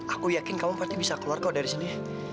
aku yakin kamu pasti bisa keluar kok dari sini